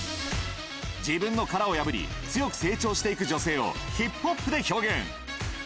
自分の殻を破り強く成長していく女性を、ヒップホップで表現。